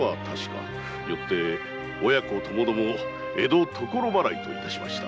よって親子ともども江戸所払いと致しました。